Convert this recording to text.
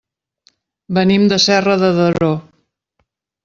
Venim de Serra de Daró.